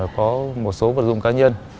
có một số vật dụng cá nhân